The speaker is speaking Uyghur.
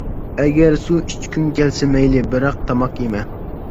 ئەگەر سۇ ئىچكۈڭ كەلسە مەيلى، بىراق تاماق يېمە.